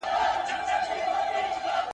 • شهو مي د نه وسه خور ده.